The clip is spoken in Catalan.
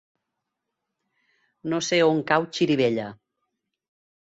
No sé on cau Xirivella.